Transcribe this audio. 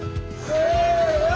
せの！